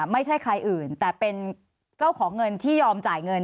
ไม่ใช่ใครอื่นแต่เป็นเจ้าของเงินที่ยอมจ่ายเงิน